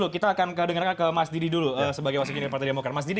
kita akan kedengarkan ke mas didi dulu sebagai wakil presiden partai demokrasi